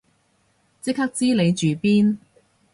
即刻知你住邊